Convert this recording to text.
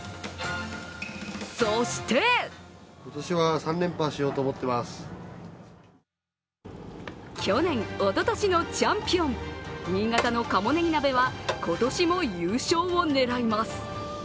そして去年、おととしのチャンピオン、新潟のかもねぎ鍋は今年も優勝を狙います。